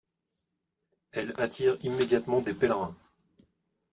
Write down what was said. Elle attire immédiatement des pèlerins.